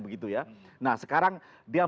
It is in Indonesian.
begitu ya nah sekarang dia